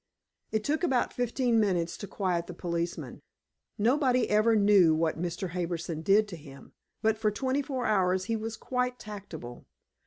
It took about fifteen minutes to quiet the policeman. Nobody ever knew what Mr. Harbison did to him, but for twenty four hours he was quite tractable.